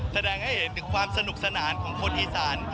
แสดงให้เห็นถึงความสนุกสนานของคนอีสาน